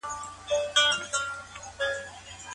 هغه اقتصاد چې آزاد دی چټکه وده کوي.